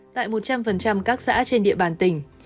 tại một trăm linh các xã trên địa bàn tỉnh